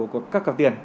của các cặp tiền